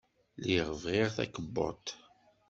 Lliɣ bɣiɣ takebbuḍt.